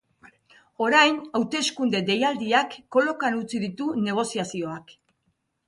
Orain, hauteskunde deialdiak kolokan utzi ditu negoziazioak.